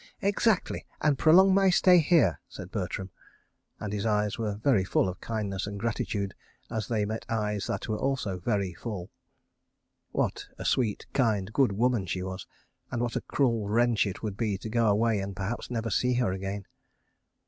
"Exactly ... and prolong my stay here. .." said Bertram, and his eyes were very full of kindness and gratitude as they met eyes that were also very full. ("What a sweet, kind, good woman she was! And what a cruel wrench it would be to go away and perhaps never see her again.